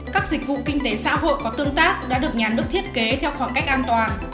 các dịch vụ kinh tế xã hội có tương tác đã được nhà nước thiết kế theo khoảng cách an toàn